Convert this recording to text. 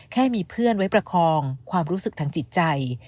แค่มีเพื่อนไว้ประคองความรู้สึกทางจิตใจ